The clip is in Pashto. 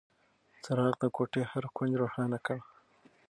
څراغ د کوټې هر کونج روښانه کړ.